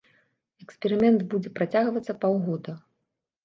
Эксперымент будзе працягвацца паўгода.